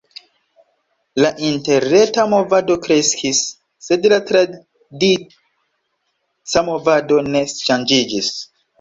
La interreta movado kreskis, sed la tradica movado ne ŝanĝiĝis.